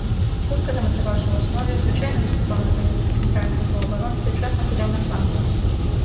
Хутка замацаваўся ў аснове, звычайна выступаў на пазіцыі цэнтральнага паўабаронцы, часам гуляў на флангу.